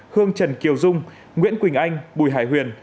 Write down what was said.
hương trần kiều dung nguyễn quỳnh anh bùi hải huyền